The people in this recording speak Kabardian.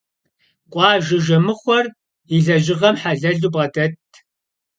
Къуажэ жэмыхъуэр и лэжьыгъэм хьэлэлу бгъэдэтт.